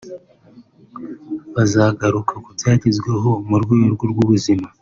Bazagaruka ku byagezweho mu rwego rw’ubuzima